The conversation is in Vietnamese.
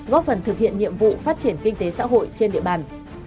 góp phần thực hiện nhiệm vụ phát triển kinh tế xã hội trên địa bàn